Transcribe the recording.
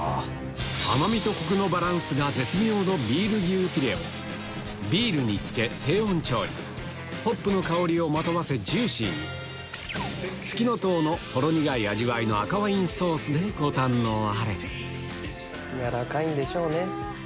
甘みとコクのバランスが絶妙のホップの香りをまとわせジューシーにふきのとうのほろ苦い味わいの赤ワインソースでご堪能あれ軟らかいんでしょうね。